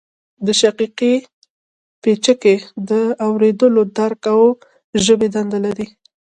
د شقیقې پیڅکی د اوریدلو درک او ژبې دنده لري